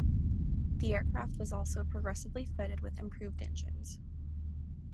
The aircraft was also progressively fitted with improved engines.